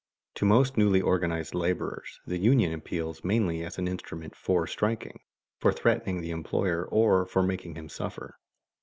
_ To most newly organized laborers the union appeals mainly as an instrument for striking, for threatening the employer or for making him suffer.